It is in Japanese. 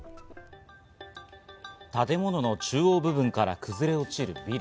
建物の中央部分から崩れ落ちるビル。